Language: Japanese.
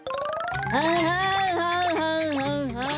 はんはんはんはんはんはん。